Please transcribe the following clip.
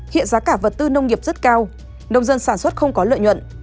hiện giá cả vật tư nông nghiệp rất cao nông dân sản xuất không có lợi nhuận